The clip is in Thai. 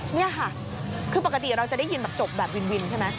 นี่ค่ะคือปกติเราจะได้ยินแบบจบแบบวินใช่ไหม